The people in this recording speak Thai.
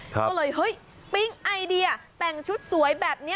ก็เลยเฮ้ยปิ๊งไอเดียแต่งชุดสวยแบบนี้